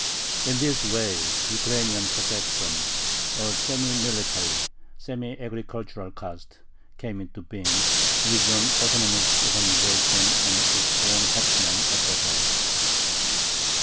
In this way Ukrainian Cossackdom, a semi military, semi agricultural caste, came into being, with an autonomous organization and its own hetman at the head.